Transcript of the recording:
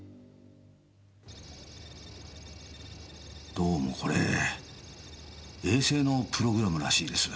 どうもこれ衛星のプログラムらしいです。